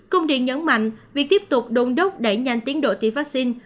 công điện nhấn mạnh việc tiếp tục đôn đốc đẩy nhanh tiến độ tiêm vaccine